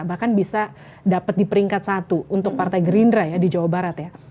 bahkan bisa dapat di peringkat satu untuk partai gerindra ya di jawa barat ya